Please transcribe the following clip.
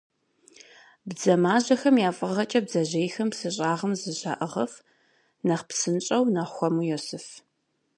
Бдзэмажьэхэм я фӏыгъэкӏэ бдзэжьейхэм псы щӏагъым зыщаӏыгъыф, нэхъ псынщӏэу, нэхъ хуэму йосыф.